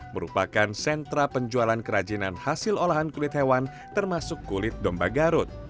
merupakan sentra penjualan kerajinan hasil olahan kulit hewan termasuk kulit domba garut